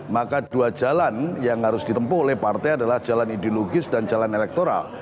maka dua jalan yang harus ditempuh oleh partai adalah jalan ideologis dan jalan elektoral